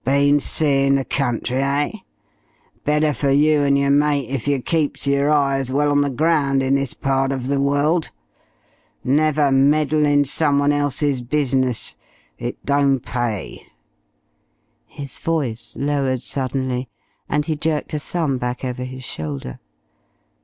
"Been seein' the country eh? Better fer you and yer mate if yer keeps yer eyes well on the ground in this part uv the world. Never meddle in someone else's business. It don't pay." His voice lowered suddenly, and he jerked a thumb back over his shoulder.